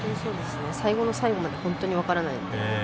最後の最後まで本当に分からない。